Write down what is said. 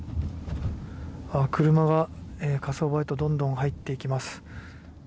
車が火葬場へとどんどん入っていきます。